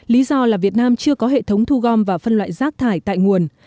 lý do là việt nam chưa có hệ thống thu gom và phân loại rác thải tại nguồn